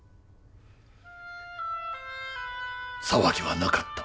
騒ぎはなかった。